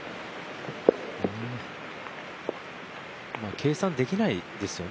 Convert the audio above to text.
計算できないですよね